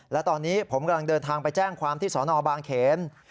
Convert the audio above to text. และตอนนี้ผมกำลังเดินทางไปแจ้งความที่สนบางเขน